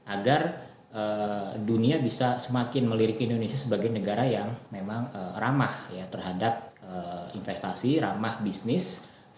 agar dunia bisa semakin melirik indonesia sebagai negara yang memang ramah terhadap investasi ramah bisnis